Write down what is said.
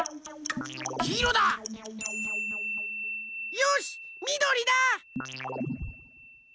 よしみどりだ！